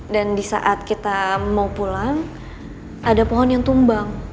dan di saat kita mau pulang ada pohon yang tumbang